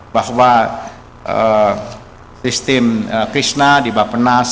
bahwa sistem krisna di bappenas